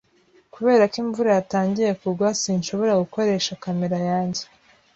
Kubera ko imvura yatangiye kugwa, sinshobora gukoresha kamera yanjye.